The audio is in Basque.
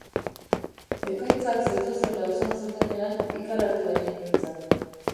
Ekaitzak zetozela esan zutenean ikaratu egin nintzen